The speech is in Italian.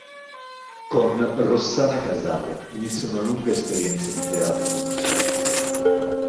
Con Rossana Casale inizia una lunga esperienza di teatro concerto.